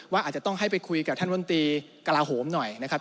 อาจจะต้องให้ไปคุยกับท่านบนตรีกระลาโหมหน่อยนะครับ